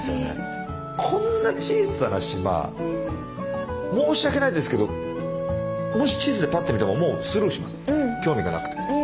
こんな小さな島申し訳ないですけどもし地図でパッて見てもスルーします興味がなくて。